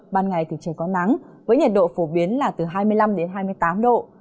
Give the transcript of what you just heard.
ban ngày thì trời có nắng với nhiệt độ phổ biến là từ hai mươi năm đến hai mươi tám độ